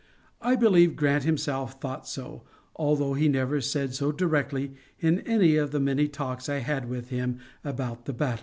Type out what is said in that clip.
I believe Grant himself thought so, although he never said so directly in any one of the many talks I had with him about the battle.